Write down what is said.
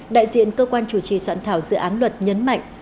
đại diện cơ quan chủ trì soạn thảo dự án luật nhấn mạnh